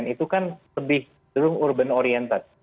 itu kan lebih cenderung urban oriented